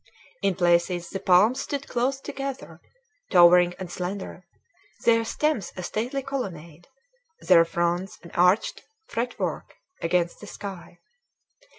In places the palms stood close together, towering and slender, their stems a stately colonnade, their fronds an arched fretwork against the sky.